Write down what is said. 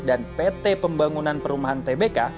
dan pt pembangunan perumahan tbk